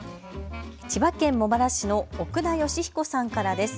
千葉県茂原市の奥田義彦さんからです。